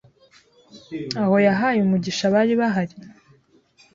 aho yahaye umugisha abari bahari